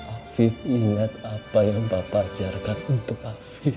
afif ingat apa yang bapak ajarkan untuk afif